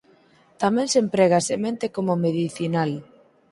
Tamén se emprega a semente como medicinal.